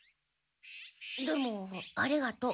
でもありがとう。